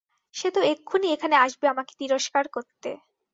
সে তো এক্ষুনি এখানে আসবে আমাকে তিরস্কার করতে।